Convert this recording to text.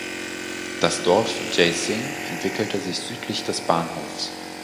Das Dorf Jejsing entwickelte sich südlich des Bahnhofs.